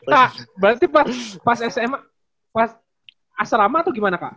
kak berarti pas sma pas asrama atau gimana kak